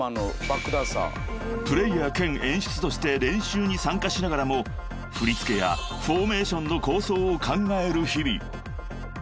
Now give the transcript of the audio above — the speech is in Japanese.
［プレーヤー兼演出として練習に参加しながらも振り付けやフォーメーションの構想を考える日々］